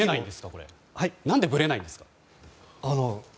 何でぶれないんですか？